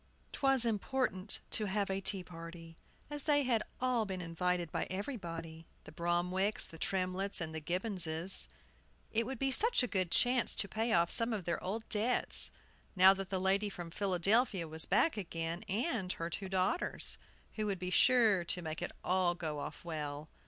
TWAS important to have a tea party, as they had all been invited by everybody, the Bromwicks, the Tremletts, and the Gibbonses. It would be such a good chance to pay off some of their old debts, now that the lady from Philadelphia was back again, and her two daughters, who would be sure to make it all go off well.